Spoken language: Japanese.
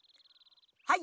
はい。